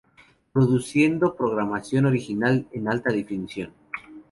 Produciendo programación original en Alta Definición.